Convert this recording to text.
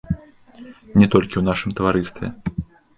Не толькі ў нашым таварыстве.